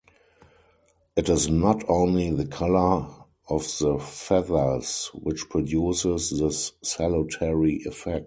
It is not only the color of the feathers which produces this salutary effect.